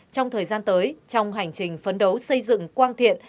trong thời gian tới trong hành trình phấn đấu xây dựng quang thiện